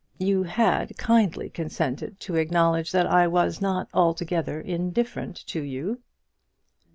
You had kindly consented to acknowledge that I was not altogether indifferent to you.